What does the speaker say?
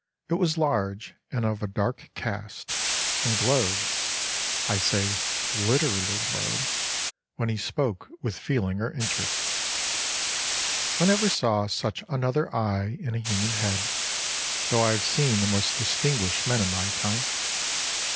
It was large, and of a dark cast, and glowed (I say literally glowed) when he spoke with feeling or interest. I never saw such another eye in a human head, though I have seen the most distinguished men in my time.